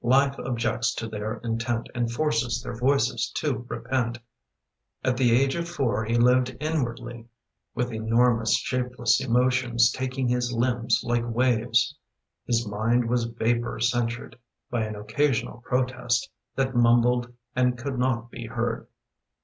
Life objects to their intent And forces their voices to repent.) At the age of four he lived inwardly, With enormous shapeless emotions Taking his limbs, like waves. His mind was vapour censured By an occasional protest That mumbled and could not be heard.